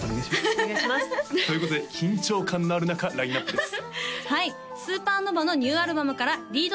お願いしますということで緊張感のある中ラインナップです